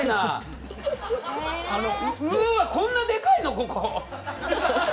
こんなでかいのここ。